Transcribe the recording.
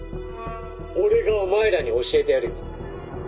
俺がお前らに教えてやるよ。